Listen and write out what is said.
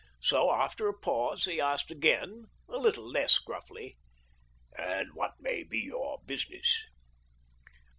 So after a pause he asked again, a little less gruffly, " And what may be your business